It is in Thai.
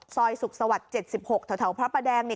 ซอยสุขสวัสดิ์๗๖ถพระประแดงนี่